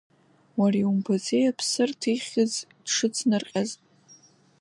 Уара иумбаӡеи Аԥсырҭ ихьыӡ дшыҵнарҟьаз?